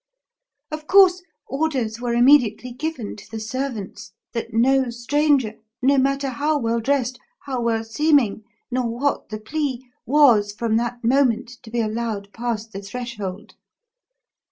Of course, orders were immediately given to the servants that no stranger, no matter how well dressed, how well seeming, nor what the plea, was, from that moment, to be allowed past the threshold.